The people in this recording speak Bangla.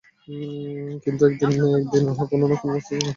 কিন্তু একদিন না একদিন উহা কোন না কোন মস্তিষ্ককে আশ্রয় করিবেই করিবে।